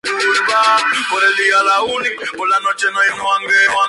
Sin embargo, la compañía rechazó el álbum, declarando que necesitaba un hit.